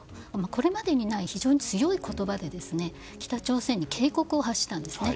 これまでにない非常に強い言葉で北朝鮮に警告を発したんですね。